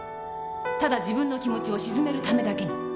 ただ自分の気持ちを静めるためだけに！